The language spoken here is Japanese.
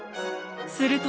すると。